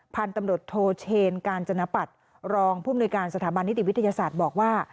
พันธุ์ตำรวจโทเชนกาญจนปัดรองผู้มนุยการสถาบันนิติวิทยาศาสตร์บอกว่า